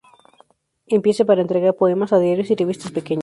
Empiece para entregar poemas a diarios y revistas pequeñas.